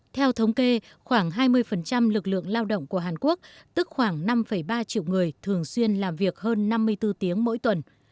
theo thống kê khoảng hai mươi lực lượng lao động của hàn quốc tức khoảng năm ba triệu người thường xuyên làm việc hơn năm mươi bốn tiếng mỗi tuần